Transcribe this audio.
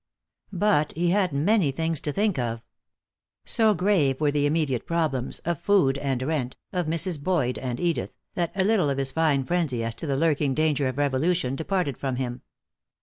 But he had many things to think of. So grave were the immediate problems, of food and rent, of Mrs. Boyd and Edith, that a little of his fine frenzy as to the lurking danger of revolution departed from him.